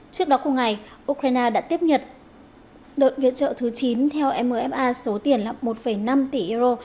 trước đó cùng ngày ukraine đã tiếp nhật đợt viện trợ thứ chín theo mfa số tiền là một năm tỷ euro